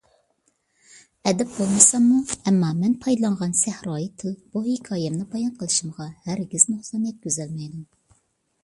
ئەدىب بولمىساممۇ، ئەمما مەن پايدىلانغان سەھرايى تىل بۇ ھېكايەمنى بايان قىلىشىمغا ھەرگىز نۇقسان يەتكۈزەلمەيدۇ.